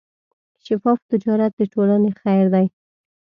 شفاف تجارت د ټولنې خیر دی.